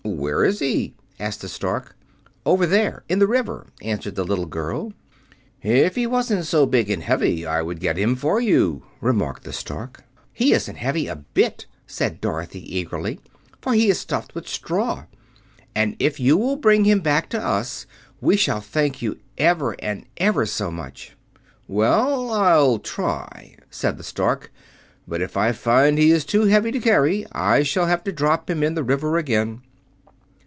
"Where is he?" asked the Stork. "Over there in the river," answered the little girl. "If he wasn't so big and heavy I would get him for you," remarked the Stork. "He isn't heavy a bit," said Dorothy eagerly, "for he is stuffed with straw; and if you will bring him back to us, we shall thank you ever and ever so much." "Well, I'll try," said the Stork, "but if I find he is too heavy to carry I shall have to drop him in the river again."